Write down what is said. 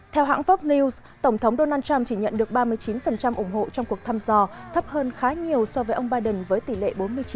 theo hãng fox news tổng thống donald trump chỉ nhận được ba mươi chín ủng hộ trong cuộc thăm dò thấp hơn khá nhiều so với ông biden với tỷ lệ bốn mươi chín